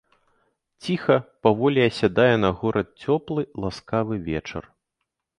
Ціха, паволі асядае на горад цёплы ласкавы вечар.